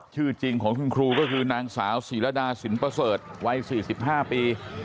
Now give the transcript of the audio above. ชื่อจริงของคุณครูก็คือนางสาวศิรดาสินประเสริฐวัย๔๕ปี